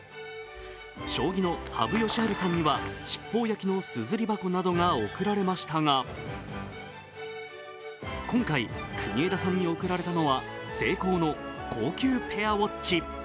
将棋の羽生善治さんには七宝焼きのすずり箱などが贈られましたが今回、国枝さんに贈られたのはセイコーの高級ペアウォッチ。